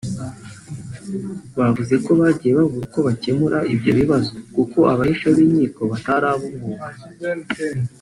Bavuze ko bagiye babura uko bakemura ibyo bibazo kuko abahesha b’inkiko batari ab’umwuga